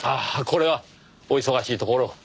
これはお忙しいところを。